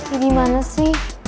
ini dimana sih